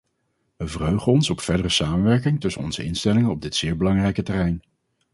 We verheugen ons op verdere samenwerking tussen onze instellingen op dit zeer belangrijke terrein.